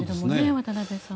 渡辺さん。